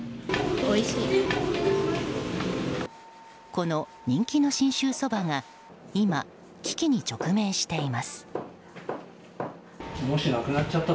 この人気の信州そばが今、危機に直面しています。